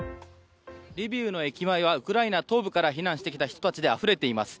リビウの駅前はウクライナ東部から避難してきた人たちであふれています。